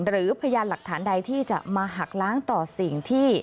พยานหลักฐานใดที่จะมาหักล้างต่อสิ่งที่